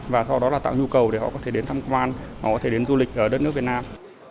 và sau đó là tạo nhu cầu để họ có thể đến thăm quan họ có thể đến du lịch ở đất nước việt nam